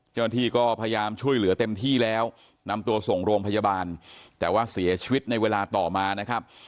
เจ้าหน้าที่ก็พยายามช่วยเหลือเต็มที่แล้วนำตัวส่งโรงพยาบาลแต่ว่าเสียชีวิตในเวลาต่อมานะครับ